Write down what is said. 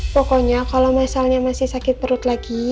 pokoknya kalau misalnya masih sakit perut lagi